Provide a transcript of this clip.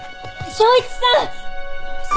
昇一さん！